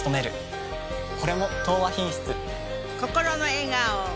これも「東和品質」。